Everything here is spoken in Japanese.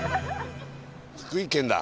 福井県だ